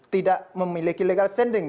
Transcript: tidak memiliki legal standing